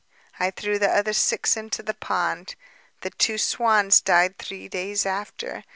I threw the other six into the pond. The two swans died three days after